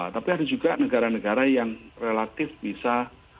tapi ada juga negara negara yang relatif bisa